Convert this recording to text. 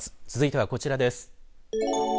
続いてはこちらです。